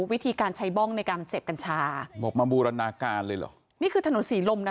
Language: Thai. วิธีการใช้บ้องในการเสพกัญชาบอกมาบูรณาการเลยเหรอนี่คือถนนศรีลมนะ